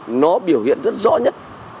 tuy nhiên nó biểu hiện rất rõ nhất